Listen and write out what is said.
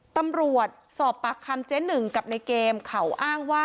ตำรวจสอบปากคำเจ๊หนึ่งกับในเกมเขาอ้างว่า